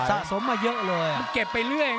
สะสมมาเยอะเลย